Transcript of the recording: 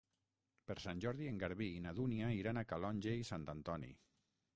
Per Sant Jordi en Garbí i na Dúnia iran a Calonge i Sant Antoni.